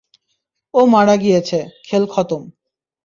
ও মারা গিয়েছে, খেল খতম।